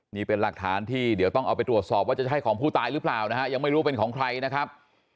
นี่เป็นหลักฐานที่เดี๋ยวต้องเอาไปตรวจสอบว่าจะใช่ของผู้ตายหรือเปล่านะฮะยังไม่รู้เป็นของใครนะครับ